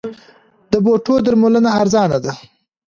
د بوټو درملنه ارزانه ده؟